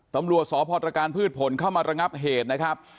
ตำรวจสพตรการพืชผลเข้ามาระงับเหตุนะครับ